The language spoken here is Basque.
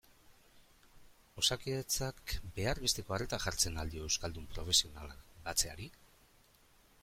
Osakidetzak behar besteko arreta jartzen al dio euskaldun profesionalak batzeari?